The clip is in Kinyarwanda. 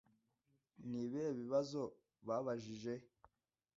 Ni ibihe bibazo babajije